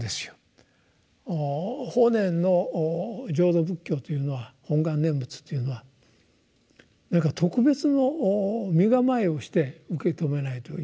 法然の浄土仏教というのは本願念仏というのは何か特別の身構えをして受け止めないといけないのかと思う必要はないんですね。